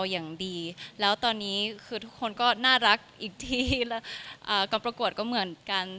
อย่างดีแล้วตอนนี้คือทุกคนก็น่ารักอีกทีและกองประกวดก็เหมือนกัน